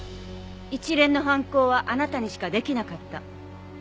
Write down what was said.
一連の犯行はあなたにしかできなかった。